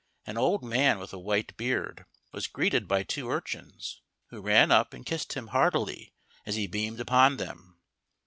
An old man with a white beard was greeted by two urchins, who ran up and kissed him heartily as he beamed upon them.